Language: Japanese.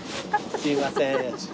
すいません。